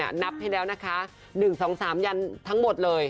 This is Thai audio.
นับให้แล้วนะคะ๑๒๓ยันทั้งหมดเลย